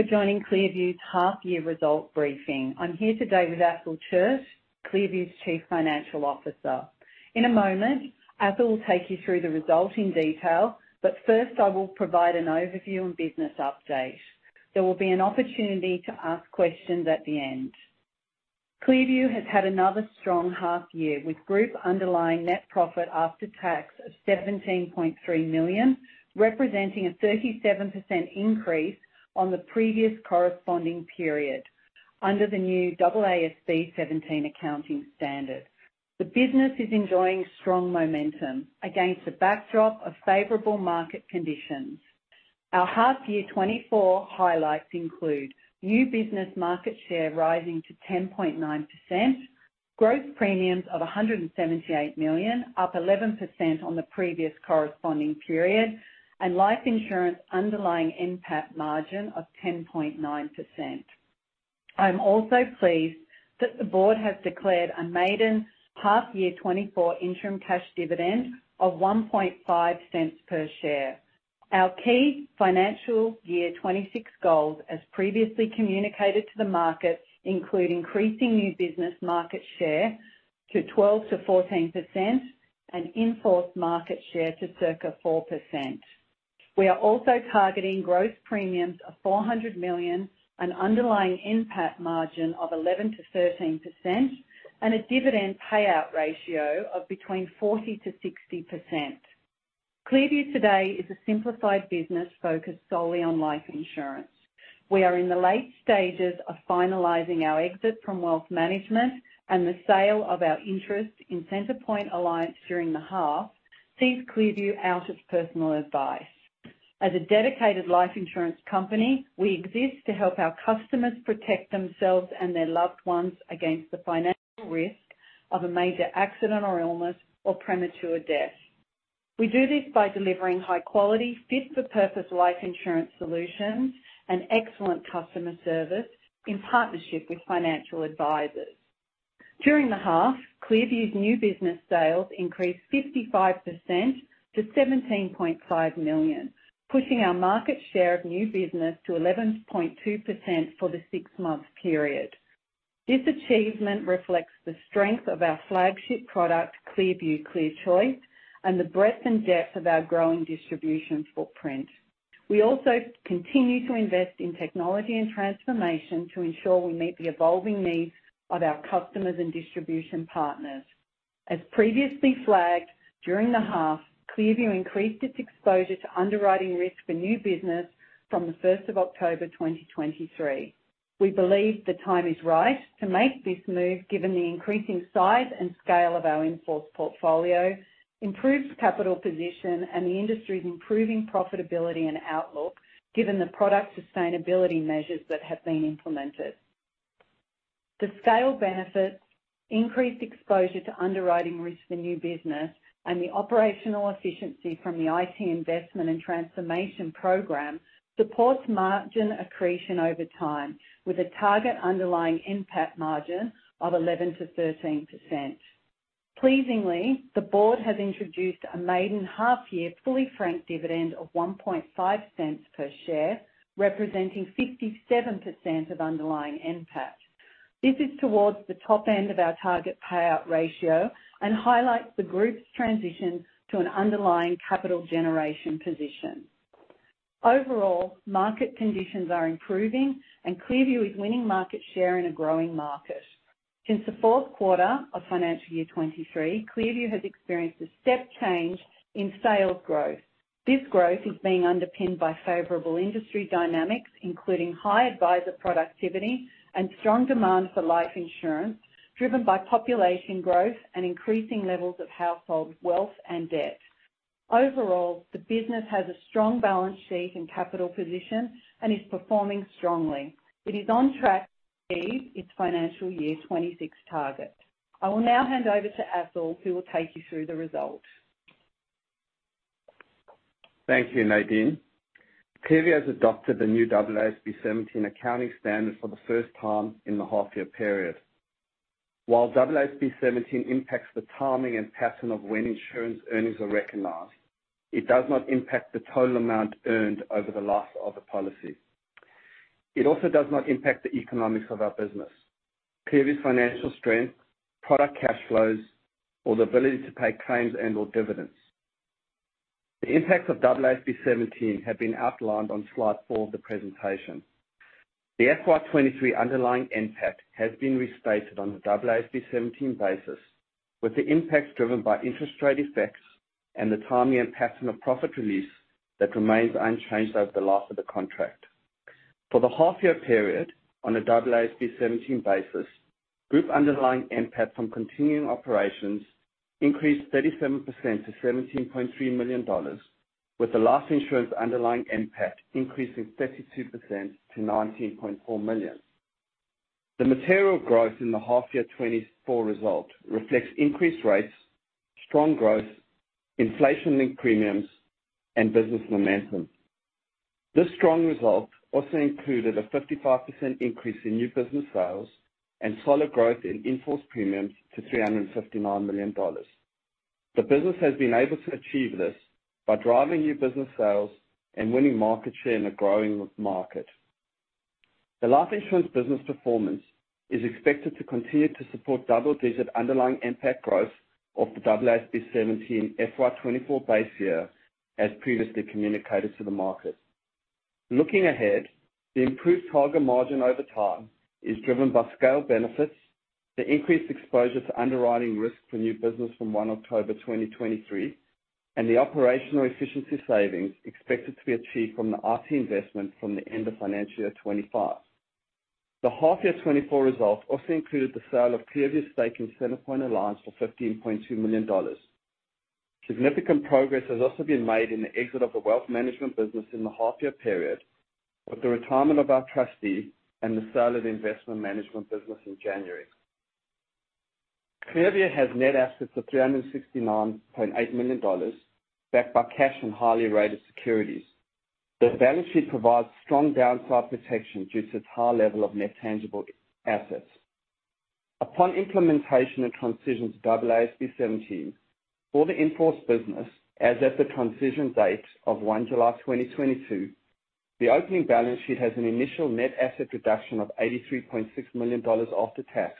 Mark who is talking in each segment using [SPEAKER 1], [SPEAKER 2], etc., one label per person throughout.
[SPEAKER 1] Thank you for joining ClearView's half year result briefing. I'm here today with Athol Chiert, ClearView's Chief Financial Officer. In a moment, Athol will take you through the results in detail, but first I will provide an overview and business update. There will be an opportunity to ask questions at the end. ClearView has had another strong half year, with group underlying net profit after tax of 17.3 million, representing a 37% increase on the previous corresponding period under the new AASB 17 accounting standard. The business is enjoying strong momentum against a backdrop of favorable market conditions. Our half year 2024 highlights include: new business market share rising to 10.9%, gross premiums of 178 million, up 11% on the previous corresponding period, and life insurance underlying NPAT margin of 10.9%. I'm also pleased that the board has declared a maiden half-year 2024 interim cash dividend of 0.015 per share. Our key financial year 2026 goals, as previously communicated to the market, include increasing new business market share to 12% to 14% and in-force market share to circa 4%. We are also targeting gross premiums of 400 million, an underlying NPAT margin of 11% to 13%, and a dividend payout ratio of between 40% to 60%. ClearView today is a simplified business focused solely on life insurance. We are in the late stages of finalizing our exit from wealth management and the sale of our interest in Centrepoint Alliance during the half-year sees ClearView exit its personal advice. As a dedicated life insurance company, we exist to help our customers protect themselves and their loved ones against the financial risk of a major accident, or illness, or premature death. We do this by delivering high quality, fit-for-purpose life insurance solutions and excellent customer service in partnership with financial advisers. During the half, ClearView's new business sales increased 55% to 17.5 million, pushing our market share of new business to 11.2% for the six-month period. This achievement reflects the strength of our flagship product, ClearView ClearChoice, and the breadth and depth of our growing distribution footprint. We also continue to invest in technology and transformation to ensure we meet the evolving needs of our customers and distribution partners. As previously flagged, during the half, ClearView increased its exposure to underwriting risk for new business from the first of October 2023. We believe the time is right to make this move, given the increasing size and scale of our in-force portfolio, improved capital position, and the industry's improving profitability and outlook, given the product sustainability measures that have been implemented. The scale benefits, increased exposure to underwriting risk for new business, and the operational efficiency from the IT investment and transformation program supports margin accretion over time, with a target underlying NPAT margin of 11% to 13%. Pleasingly, the board has introduced a maiden half-year fully franked dividend of 0.015 per share, representing 57% of underlying NPAT. This is towards the top end of our target payout ratio and highlights the group's transition to an underlying capital generation position. Overall, market conditions are improving, and ClearView is winning market share in a growing market. Since the fourth quarter of financial year 2023, ClearView has experienced a step change in sales growth. This growth is being underpinned by favorable industry dynamics, including high adviser productivity and strong demand for life insurance, driven by population growth and increasing levels of household wealth and debt. Overall, the business has a strong balance sheet and capital position and is performing strongly. It is on track to achieve its financial year 2026 target. I will now hand over to Athol, who will take you through the results.
[SPEAKER 2] Thank you, Nadine. ClearView has adopted the new AASB 17 accounting standard for the first time in the half year period. While AASB 17 impacts the timing and pattern of when insurance earnings are recognized, it does not impact the total amount earned over the life of the policy. It also does not impact the economics of our business, ClearView's financial strength, product cash flows, or the ability to pay claims and/or dividends. The impacts of AASB 17 have been outlined on slide four of the presentation. The FY 2023 underlying NPAT has been restated on the AASB 17 basis, with the impacts driven by interest rate effects and the timing and pattern of profit release that remains unchanged over the life of the contract. For the half year period, on a AASB 17 basis, group underlying NPAT from continuing operations increased 37% to 17.3 million dollars, with the life insurance underlying NPAT increasing 32% to 19.4 million. The material growth in the half year 2024 result reflects increased rates, strong growth, inflation in premiums, and business momentum. This strong result also included a 55% increase in new business sales and solid growth in in-force premiums to 359 million dollars. The business has been able to achieve this by driving new business sales and winning market share in a growing market. The life insurance business performance is expected to continue to support double-digit underlying NPAT growth of the AASB 17 FY 2024 base year, as previously communicated to the market. Looking ahead, the improved target margin over time is driven by scale benefits, the increased exposure to underwriting risk for new business from 1 October 2023, and the operational efficiency savings expected to be achieved from the IT investment from the end of financial year 2025. The half year 2024 results also included the sale of ClearView's stake in Centrepoint Alliance for 15.2 million dollars. Significant progress has also been made in the exit of the wealth management business in the half year period, with the retirement of our trustee and the sale of investment management business in January. ClearView has net assets of 369.8 million dollars, backed by cash and highly rated securities. The balance sheet provides strong downside protection due to its high level of net tangible assets. Upon implementation and transition to AASB 17, for the in-force business, as at the transition date of 1 July 2022, the opening balance sheet has an initial net asset reduction of 83.6 million dollars after tax.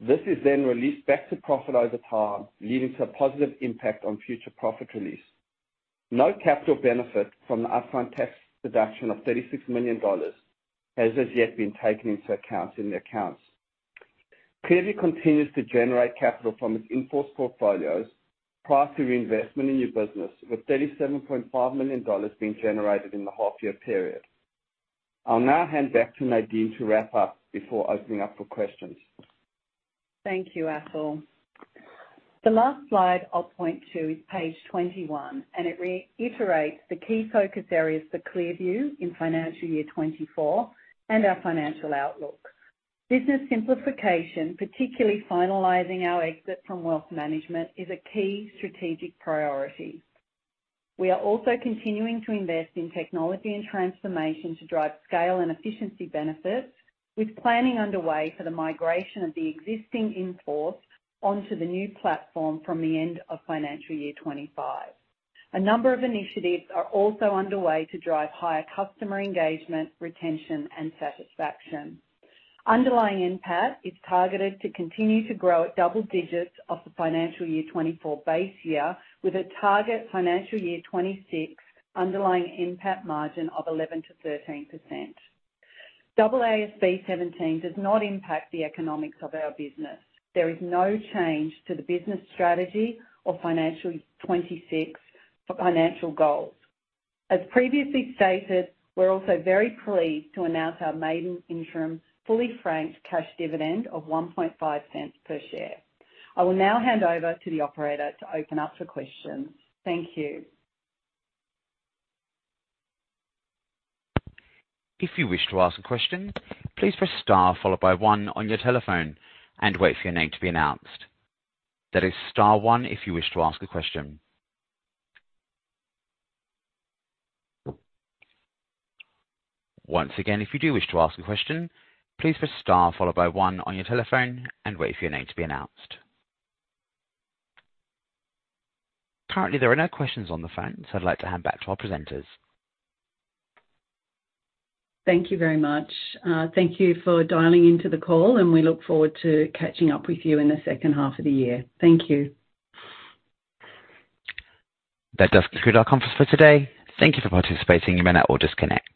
[SPEAKER 2] This is then released back to profit over time, leading to a positive impact on future profit release. No capital benefit from the upfront tax deduction of 36 million dollars has as yet been taken into account in the accounts. ClearView continues to generate capital from its in-force portfolios prior to reinvestment in new business, with 37.5 million dollars being generated in the half year period. I'll now hand back to Nadine to wrap up before opening up for questions.
[SPEAKER 1] Thank you, Athol. The last slide I'll point to is page 21, and it reiterates the key focus areas for ClearView in financial year 2024 and our financial outlook. Business simplification, particularly finalizing our exit from wealth management, is a key strategic priority. We are also continuing to invest in technology and transformation to drive scale and efficiency benefits, with planning underway for the migration of the existing in-force onto the new platform from the end of financial year 2025. A number of initiatives are also underway to drive higher customer engagement, retention, and satisfaction. Underlying NPAT is targeted to continue to grow at double digits off the financial year 2024 base year, with a target financial year 2026 underlying NPAT margin of 11% to 13%. AASB 17 does not impact the economics of our business. There is no change to the business strategy or financial 2026 for financial goals. As previously stated, we're also very pleased to announce our maiden interim, fully franked cash dividend of 0.015 per share. I will now hand over to the operator to open up for questions. Thank you.
[SPEAKER 3] If you wish to ask a question, please press star followed by one on your telephone and wait for your name to be announced. That is star one if you wish to ask a question. Once again, if you do wish to ask a question, please press star followed by one on your telephone and wait for your name to be announced. Currently, there are no questions on the phone, so I'd like to hand back to our presenters.
[SPEAKER 1] Thank you very much. Thank you for dialing into the call, and we look forward to catching up with you in the second half of the year. Thank you.
[SPEAKER 3] That does conclude our conference for today. Thank you for participating. You may now all disconnect.